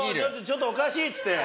ちょっとおかしいっつって。